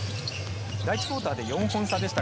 第１クオーターで４本差でした。